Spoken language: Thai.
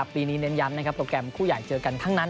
ปีนี้เน้นย้ำนะครับโปรแกรมคู่ใหญ่เจอกันทั้งนั้น